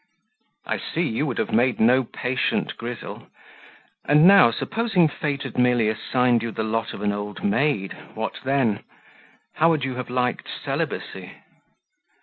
"I see you would have made no patient Grizzle. And now, supposing fate had merely assigned you the lot of an old maid, what then? How would you have liked celibacy?"